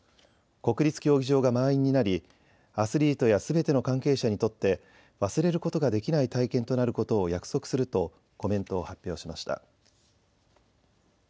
国立競技場が満員になりアスリートやすべての関係者にとって忘れることができない体験となることを約束するとコメントを発表しました。